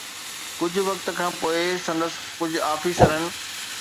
ڪجهه وقت کان پوءِ سندس ڪجهه آفيسرن